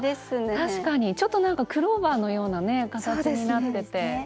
確かにちょっとなんかクローバーのようなね形になってて。